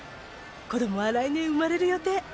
子供は来年産まれる予定。